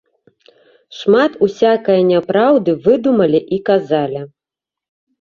Шмат усякае няпраўды выдумвалі і казалі.